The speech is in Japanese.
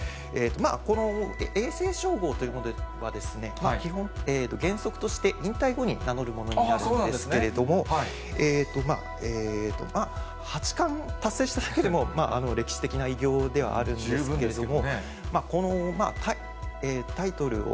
この永世称号というものはですね、基本、原則として引退後に名のるものになるんですけれども、八冠達成しただけでも歴史的な偉業ではあるんですけれども。